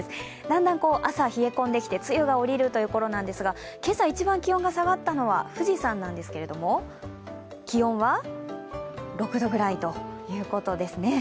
だんだん朝が冷え込んできて露がおりるというときなんですが今朝一番気温が下がったのは富士山なんですけれども、気温は６度くらいということですね